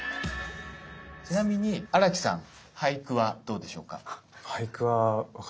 ちなみに荒木さん俳句はどうでしょうか？